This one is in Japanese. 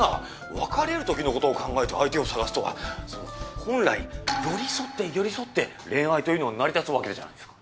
別れるときのことを考えて相手を探すとはそう本来寄り添って寄り添って恋愛というのは成り立つわけじゃないですか。